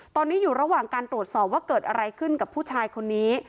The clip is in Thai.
ตอนนี้อยู่ระหว่างการตรวจสอบว่าเกิดอะไรขึ้นกับผู้ชายคนนี้